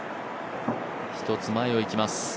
一つ前をいきます